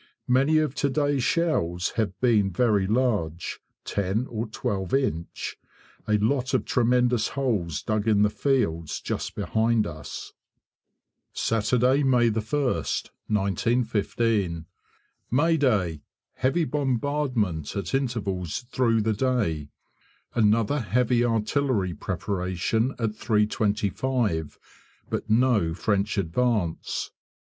Many of to day's shells have been very large 10 or 12 inch; a lot of tremendous holes dug in the fields just behind us. Saturday, May 1st, 1915. May day! Heavy bombardment at intervals through the day. Another heavy artillery preparation at 3.25, but no French advance.